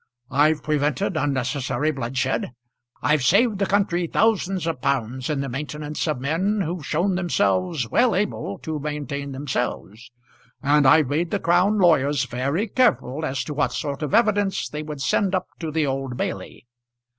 I've prevented unnecessary bloodshed. I've saved the country thousands of pounds in the maintenance of men who've shown themselves well able to maintain themselves. And I've made the Crown lawyers very careful as to what sort of evidence they would send up to the Old Bailey.